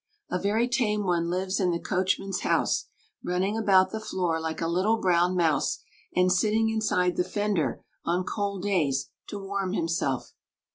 A very tame one lives in the coachman's house, running about the floor like a little brown mouse, and sitting inside the fender on cold days to warm himself.